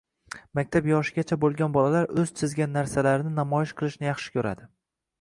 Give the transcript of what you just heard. Maktab yoshigacha bo‘lgan bolalar o‘z chizgan narsalarini namoyish qilishni yaxshi ko'radi.